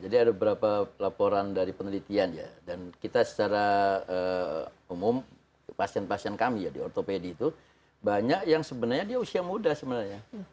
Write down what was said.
jadi ada beberapa laporan dari penelitian ya dan kita secara umum pasien pasien kami ya di ortopedi itu banyak yang sebenarnya dia usia muda sebenarnya